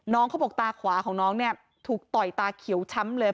เขาบอกตาขวาของน้องเนี่ยถูกต่อยตาเขียวช้ำเลย